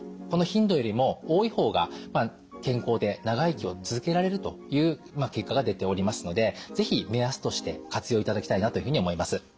この頻度よりも多い方が健康で長生きを続けられるという結果が出ておりますので是非目安として活用いただきたいなというふうに思います。